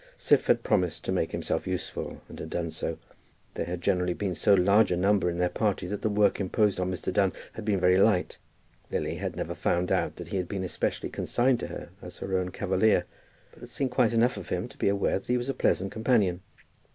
Siph had promised to make himself useful, and had done so. There had generally been so large a number in their party that the work imposed on Mr. Dunn had been very light. Lily had never found out that he had been especially consigned to her as her own cavalier, but had seen quite enough of him to be aware that he was a pleasant companion.